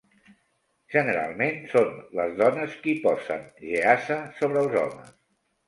Generalment són les dones qui posen "geasa" sobre els homes.